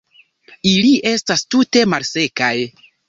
Ili estas tute malsekaj.